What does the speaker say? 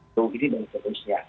itu ini dan itu itu